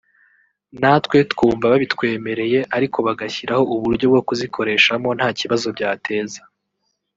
natwe twumva babitwemereye ariko bagashyiraho uburyo bwo kuzikoreshamo nta kibazo byateza